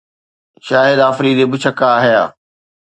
شاهد آفريدي ٻه ڇڪا هنيا